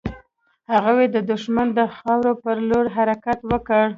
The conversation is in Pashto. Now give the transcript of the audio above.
هغوی د دښمن د خاورې پر لور يې حرکت وکړ.